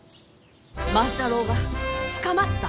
万太郎が捕まった？